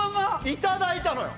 いただいたのよ